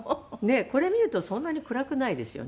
これ見るとそんなに暗くないですよね。